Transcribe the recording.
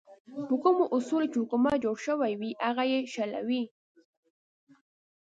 په کومو اصولو چې حکومت جوړ شوی وي هغه یې شلوي.